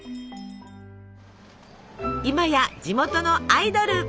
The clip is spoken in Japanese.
今や地元のアイドル！